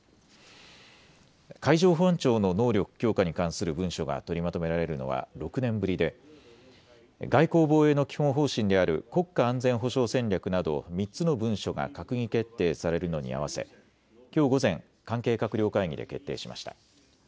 海上保安庁の能力強化に関する文書が取りまとめられるのは６年ぶりで外交・防衛の基本方針である国家安全保障戦略など３つの文書が閣議決定されるのに合わせ、きょう午前、関係閣僚会議で決定しました。